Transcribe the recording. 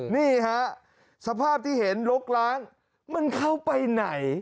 นี่ฮะสภาพที่เห็นลกล้างมันเข้าไปไหน